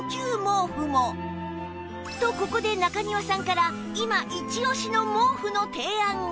とここで中庭さんから今イチオシの毛布の提案が！